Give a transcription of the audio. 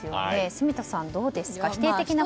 住田さん、どうですか？